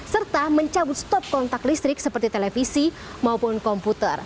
serta mencabut stop kontak listrik seperti televisi maupun komputer